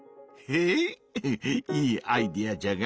いいアイデアじゃが